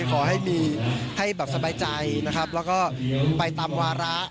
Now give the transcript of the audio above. ขอให้มีให้แบบสบายใจนะครับแล้วก็ไปตามวาระ